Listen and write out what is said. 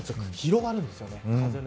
広がるんですよね。